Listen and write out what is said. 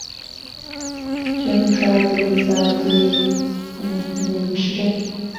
许尔姆是奥地利下奥地利州梅尔克县的一个市镇。